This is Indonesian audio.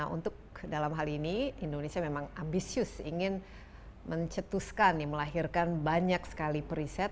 untuk dalam hal ini indonesia memang ambisius ingin mencetuskan melahirkan banyak sekali periset